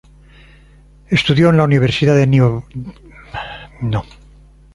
Estudió en la Universidad de Nueva York, donde obtuvo una licenciatura en bellas artes.